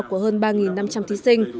của hơn ba năm trăm linh thí sinh